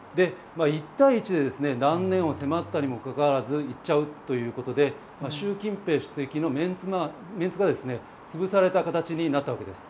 １対１で断念を迫ったにもかかわらず行っちゃうということで習近平主席のメンツが潰された形になったわけです。